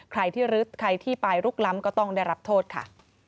ใครที่ไปรุกล้ำก็ต้องได้รับโทษค่ะ